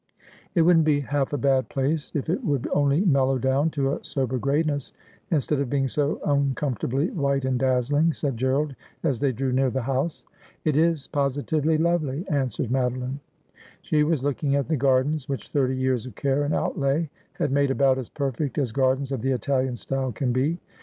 ' It wouldn't be half a bad place if it would only mellow down to a sober grayness, instead of being so uncomfort ably white and dazzling,' said Gerald as they drew near the house. ' It is positively lovely,' answered Madoline. She was looking at the gardens, which thirty years of care and outlay had made about as perfect as gardens of the Italian style can be.